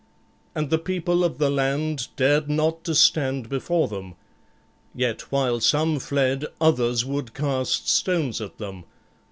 And the people of the land dared not to stand before them; yet while some fled, others would cast stones at them.